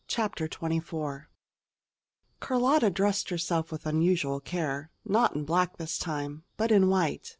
CHAPTER XXIV Carlotta dressed herself with unusual care not in black this time, but in white.